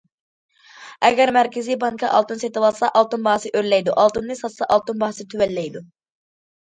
ئەگەر مەركىزىي بانكا ئالتۇن سېتىۋالسا، ئالتۇن باھاسى ئۆرلەيدۇ، ئالتۇننى ساتسا ئالتۇن باھاسى تۆۋەنلەيدۇ.